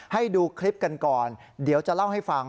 ให้ดูคลิปกันก่อนเดี๋ยวจะเล่าให้ฟัง